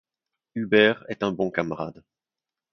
Hubert est un bon camarade…